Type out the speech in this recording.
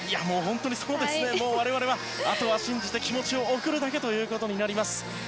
我々は、あとは信じて気持ちを送るだけとなります。